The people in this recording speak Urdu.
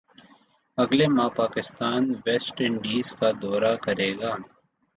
اگلے ماہ پاکستان ویسٹ انڈیز کا دورہ کرے گا